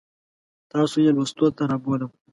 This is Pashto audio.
تاسو یې لوستو ته رابولم.